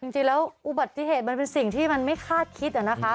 จริงแล้วอุบัติเหตุมันเป็นสิ่งที่มันไม่คาดคิดนะคะ